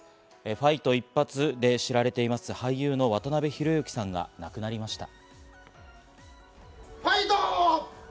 ファイト一発で知られています、俳優の渡辺裕之さんが亡くなりました。